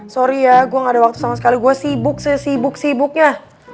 sorry ya gue gak ada waktu sama sekali gue sibuk sesibuk sibuknya